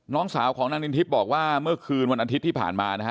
น้องสาวของนางนินทิพย์บอกว่าเมื่อคืนวันอาทิตย์ที่ผ่านมานะฮะ